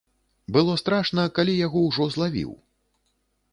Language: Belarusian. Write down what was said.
Было страшна, калі яго ўжо злавіў.